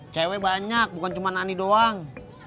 cewek banyak bukan cuma ani doang